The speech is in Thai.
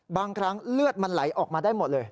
บางครั้งเลือดมันไหลออกมาได้หมดเลย